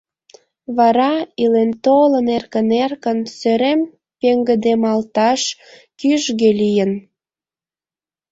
Вара, илен-толын, эркын-эркын сӧрем пеҥгыдемалташ кӱжгӧ лийын.